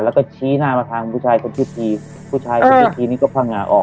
แล้วก็ชี้หน้ามาทางผู้ชายคนชื่อทีผู้ชายคนที่ทีนี้ก็พังงาออก